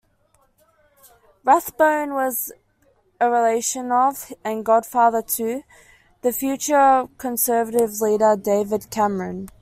Rathbone was a relation of, and godfather to, the future Conservative leader David Cameron.